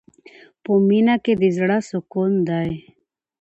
په مینه کې د زړه سکون دی.